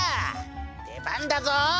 出番だぞ！